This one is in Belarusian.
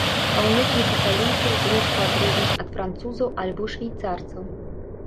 Паўночных італійцаў зрэдку адрозніш ад французаў альбо швейцарцаў.